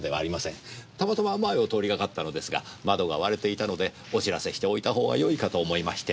たまたま前を通りかかったのですが窓が割れていたのでお知らせしておいた方がよいかと思いまして。